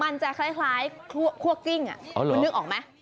มันจะคล้ายคั่วกลิ้งคุณนึกออกไหม